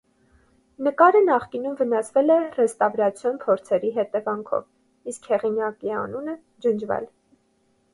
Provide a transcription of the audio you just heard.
Նկարը նախկինում վնասվել է ռեստավրացիոն փորձերի հետևանքով, իսկ հեղինակի անունը ջնջվել։